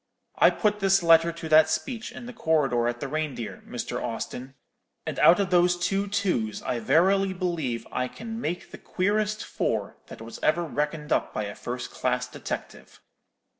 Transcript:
I put this letter to that speech in the corridor at the Reindeer, Mr. Austin; and out of those two twos I verily believe I can make the queerest four that was ever reckoned up by a first class detective.'